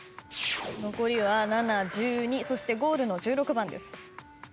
残りは７１２そしてゴールの１６番です。